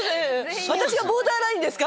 私がボーダーラインですか